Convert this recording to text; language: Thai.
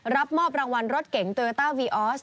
รับมอบรางวัลรถเก๋งเตอร์เตอร์วีออส